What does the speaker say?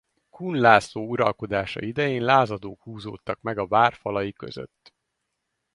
Kun László uralkodása idején lázadók húzódtak meg a vár falai között.